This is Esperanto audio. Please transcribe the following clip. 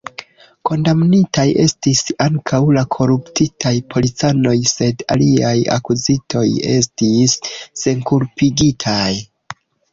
Kondamnitaj estis ankaŭ la koruptitaj policanoj, sed aliaj akuzitoj estis senkulpigitaj.